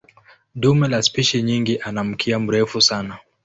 Dume la spishi nyingi ana mkia mrefu sana.